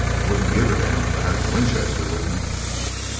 "I wouldn't give a damn if I had my Winchester with me."